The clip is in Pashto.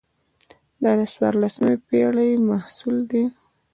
دا د څوارلسمې پېړۍ محصول ده.